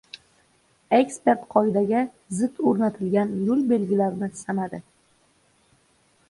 Ekspert qoidaga zid o‘rnatilgan yo‘l belgilarini sanadi